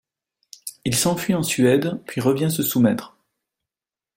Il s'enfuit en Suède, puis revient se soumettre.